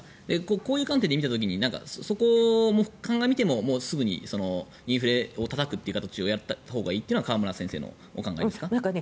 こういう関係で見たときにそこを鑑みてもすぐにインフレをたたく形をやったほうがいいというのが河村先生のお考えですか。